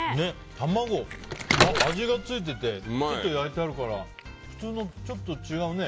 卵、味がついててちょっと焼いてあるから普通のとちょっと違うね。